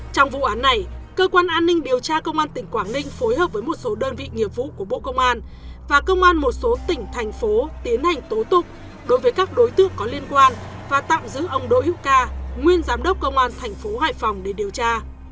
trong vụ án này cơ quan an ninh điều tra công an tỉnh quảng ninh phối hợp với một số đơn vị nghiệp vụ của bộ công an và công an một số tỉnh thành phố tiến hành tố tụng đối với các đối tượng có liên quan và tạm giữ ông đỗ hữu ca nguyên giám đốc công an thành phố hải phòng để điều tra